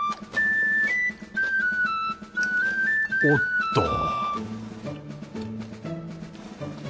おっと